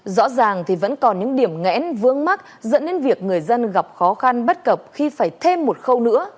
rõ ràng thì vẫn còn những điểm nghẽn vương mắc dẫn đến việc người dân gặp khó khăn bất cập khi phải thêm một khâu nữa